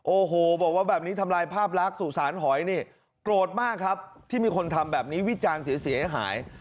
โอ้โหบอกว่าแบบนี้ทำลายภาพลักษณ์สู่สารหอยนี่โกรธมากครับที่มีคนทำแบบนี้วิจารณ์เสียหาย